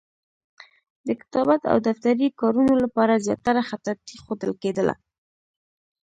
د کتابت او دفتري کارونو لپاره زیاتره خطاطي ښودل کېدله.